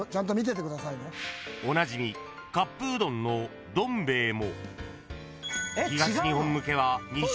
［おなじみカップうどんのどん兵衛も］